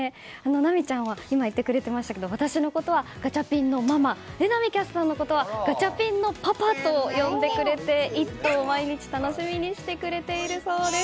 那美ちゃんは今言ってくれてましたけど私のことはガチャピンのママ榎並キャスターのことはガチャピンのパパと呼んでくれて「イット！」を毎日楽しみにしてくれているそうです。